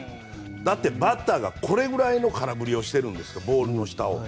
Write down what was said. だってバッターがこれぐらいの空振りをしているんですからボールの下を。